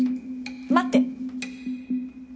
待って。